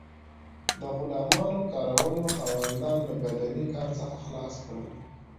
د غلامانو کارونو خاوندان له بدني کار څخه خلاص کړل.